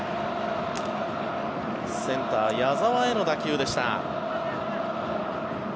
センター、矢澤への打球でした。